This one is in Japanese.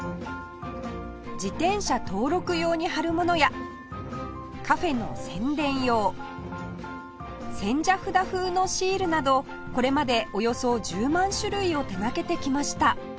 自転車登録用に貼るものやカフェの宣伝用千社札風のシールなどこれまでおよそ１０万種類を手掛けてきました